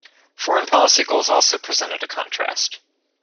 Foreign policy goals also presented a contrast.